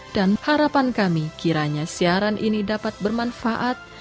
dan harapan kami kiranya siaran ini dapat bermanfaat